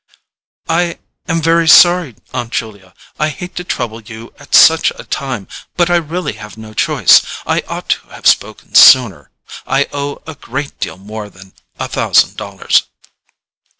"I am very sorry, Aunt Julia; I hate to trouble you at such a time; but I have really no choice—I ought to have spoken sooner—I owe a great deal more than a thousand dollars."